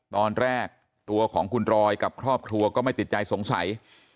ตอนแรกตัวของคุณรอยกับครอบครัวก็ไม่ติดใจสงสัย